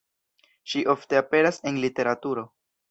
Ŝi ofte aperas en literaturo.